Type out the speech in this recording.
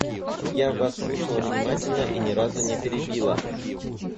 Я Вас слушала внимательно и ни разу не перебила.